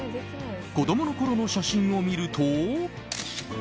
子供のころの写真を見ると。